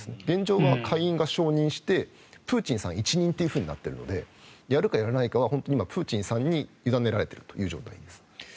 現状は下院が承認してプーチンさん一任となっているのでやるか、やらないかは本当にプーチンさんに委ねられているという状態です。